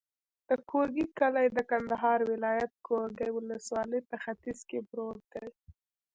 د ګورکي کلی د کندهار ولایت، ګورکي ولسوالي په ختیځ کې پروت دی.